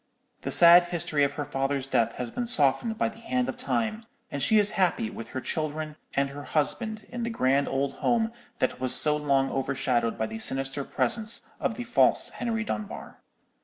The sad history of her father's death has been softened by the hand of Time; and she is happy with her children and her husband in the grand old home that was so long overshadowed by the sinister presence of the false Henry Dunbar.